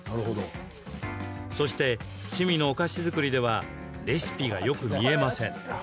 そして、趣味のお菓子作りではレシピがよく見えません。